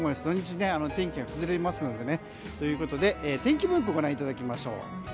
土日、天気が崩れますのでね。ということで天気分布をご覧いただきましょう。